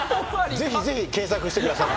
ぜひぜひ検索してください。